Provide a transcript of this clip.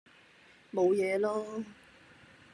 冇嘢囉